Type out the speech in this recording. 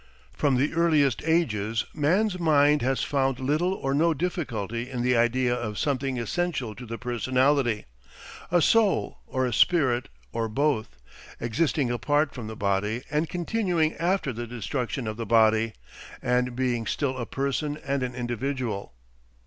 From the earliest ages man's mind has found little or no difficulty in the idea of something essential to the personality, a soul or a spirit or both, existing apart from the body and continuing after the destruction of the body, and being still a person and an individual.